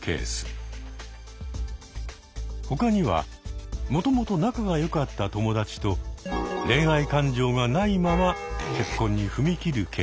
他にはもともと仲が良かった友達と恋愛感情がないまま結婚に踏み切るケース。